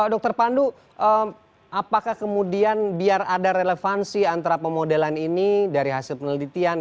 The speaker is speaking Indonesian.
dokter pandu apakah kemudian biar ada relevansi antara pemodelan ini dari hasil penelitian